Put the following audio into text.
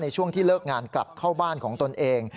ช่วงที่เลิกงานกลับเข้าบ้านของตนเอง